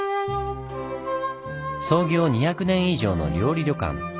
創業２００年以上の料理旅館。